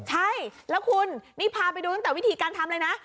ใช่แล้วคุณนี่พาไปดูตั้งแต่วิธีการทำเลยนะ